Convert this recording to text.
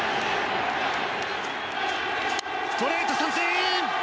ストレート、三振！